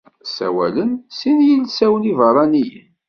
Ssawalen sin yilsawen ibeṛṛaniyen.